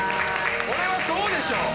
これはそうでしょ。